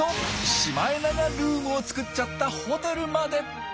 シマエナガルームを作っちゃったホテルまで。